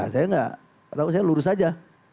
saya lurus saja